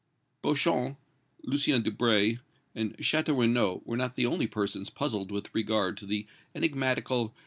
Beauchamp, Lucien Debray and Château Renaud were not the only persons puzzled with regard to the enigmatical M.